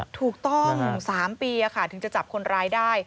ถูกต้อง๓ปีถึงจะจับคนร้ายได้